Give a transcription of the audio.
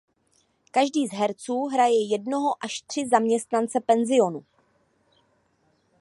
Každý z herců hraje jednoho až tři zaměstnance penzionu.